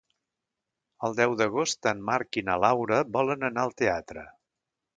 El deu d'agost en Marc i na Laura volen anar al teatre.